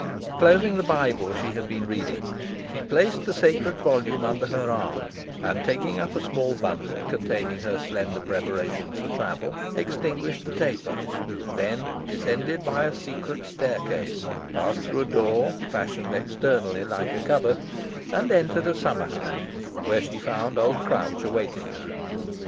Closing the Bible she had been reading, she placed the sacred volume under her arm, and taking up a small bundle, containing her slender preparations for travel, extinguished the taper, and then descending by a secret staircase, passed through a door, fashioned externally like a cupboard, and entered a summer house, where she found old Crouch awaiting her.